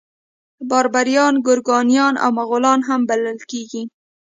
بابریان ګورکانیان او مغولان هم بلل کیږي.